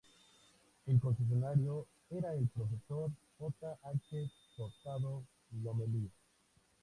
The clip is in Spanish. El concesionario era el profesor J. H. Tostado Lomelí.